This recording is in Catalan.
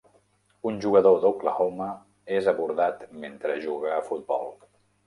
Un jugador d'Oklahoma és abordat mentre juga a futbol.